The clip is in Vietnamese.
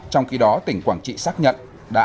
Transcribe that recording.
trong khi đó tỉnh quảng trị xác nhận